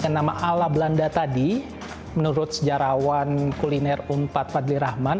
yang nama ala belanda tadi menurut sejarawan kuliner umpat padli rahman